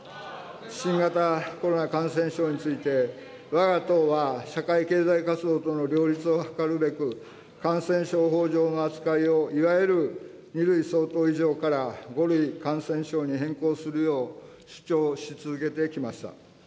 新型コロナ感染症について、わが党は社会経済活動との両立を図るべく、感染症法上の扱いを、いわゆる２類相当以上から５類感染症に変更するよう、主張し続けてきました。